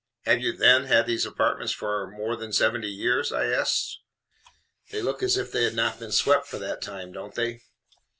"Have you, then, had these apartments for more than seventy years?" I asked. "They look as if they had not been swept for that time don't they?